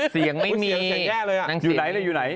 เสียงไม่มี